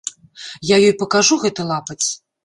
Я ёй пакажу гэты лапаць!